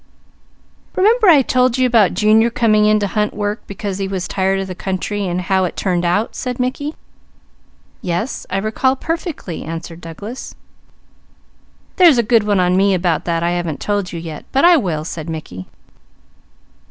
"Remember I told you about Junior coming in to hunt work because he was tired of the country, and how it turned out?" said Mickey. "Yes I recall perfectly," answered Douglas. "There's a good one on me about that I haven't told you yet, but I will," said Mickey.